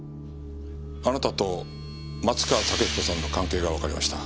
あなたと松川竹彦さんの関係がわかりました。